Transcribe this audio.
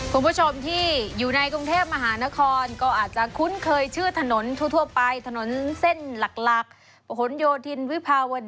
คุณผู้ชมที่อยู่ในกรุงเทพมหานครก็อาจจะคุ้นเคยชื่อถนนทั่วไปถนนเส้นหลักประหลโยธินวิภาวล